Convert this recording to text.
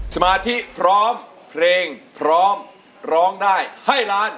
สมาธิพร้อมเพลงพร้อมร้องได้ให้ล้าน